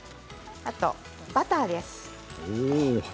あとバターです。